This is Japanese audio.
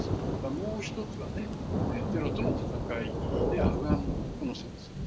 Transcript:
それから、もう１つはテロとの戦いでアフガンとの戦争。